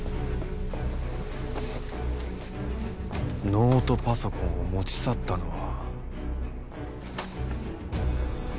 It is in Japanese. ノートパソコンを持ち去ったのは。